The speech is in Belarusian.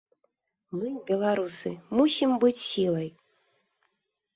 Мы, беларусы, мусім быць сілай.